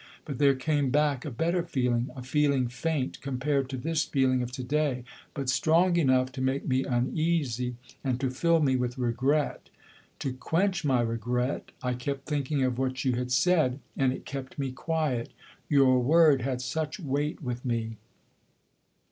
But there came back a better feeling a feeling faint compared to this feeling of to day, but strong enough to make me uneasy and to fill me with regret. To quench my regret, I kept thinking of what you had said, and it kept me quiet. Your word had such weight with me!"